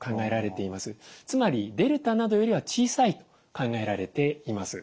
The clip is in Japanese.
つまりデルタなどよりは小さいと考えられています。